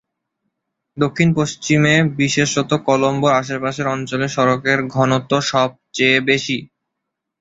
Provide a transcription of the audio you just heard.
দক্ষিণ-পশ্চিমে, বিশেষত কলম্বোর আশেপাশের অঞ্চলে সড়কের ঘনত্ব সবচেয়ে বেশি।